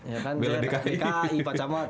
ya kan daerah dki pak camat